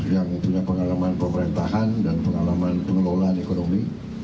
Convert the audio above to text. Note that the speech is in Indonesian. yang punya pengalaman pemerintahan dan pengalaman pengelolaan ekonomi